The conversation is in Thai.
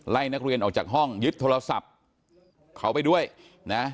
นักเรียนออกจากห้องยึดโทรศัพท์เขาไปด้วยนะ